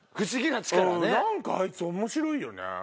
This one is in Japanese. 何かあいつ面白いよね。